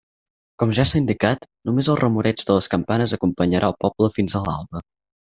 Com ja s'ha indicat, només el remoreig de les campanes acompanyarà al poble fins a l'alba.